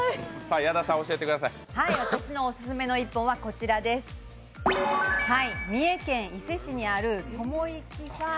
私のオススメの一本は三重県伊勢市にあるともいきふぁー